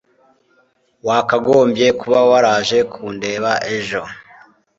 wakagombye kuba waraje kundeba ejo